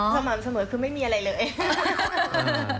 สม่ำเสมอคือไม่มีอะไรเลย